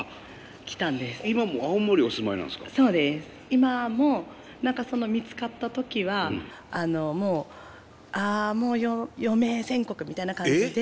今も何か見つかった時はもう余命宣告みたいな感じでもあって。